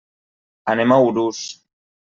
Anem a Urús.